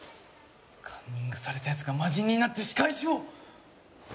カンニングされた奴が魔人になって仕返しを！